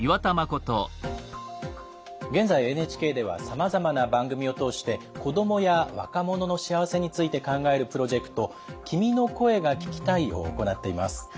現在ＮＨＫではさまざまな番組を通して子どもや若者の幸せについて考えるプロジェクト「君の声が聴きたい」を行っています。